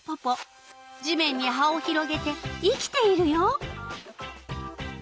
地面に葉を広げて生きているよ。